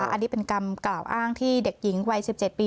อันนี้เป็นคำกล่าวอ้างที่เด็กหญิงวัย๑๗ปี